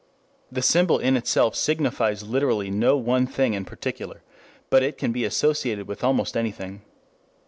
The symbol in itself signifies literally no one thing in particular, but it can be associated with almost anything.